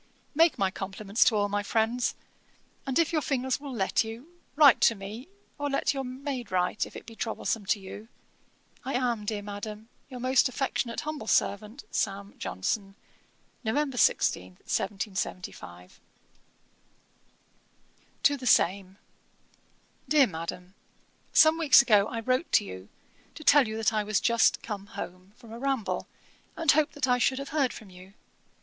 'Make my compliments to all my friends; and, if your fingers will let you, write to me, or let your maid write, if it be troublesome to you. I am, dear Madam, 'Your most affectionate humble servant, 'SAM. JOHNSON.' 'November 16, 1775.' TO THE SAME. 'DEAR MADAM, 'Some weeks ago I wrote to you, to tell you that I was just come home from a ramble, and hoped that I should have heard from you.